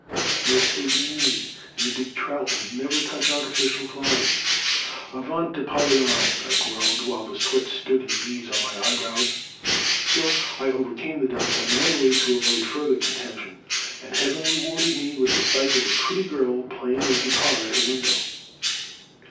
But it*s so easy, — and the big trout will never touch artificial flies !Avaunt ApoUyon! I groaned while the sweat stood in beads on my eyebrows. So I overcame the devil, and went away to avoid further contention. And Heaven rewarded me with the sight of a pretty girl playing a guitar at her window.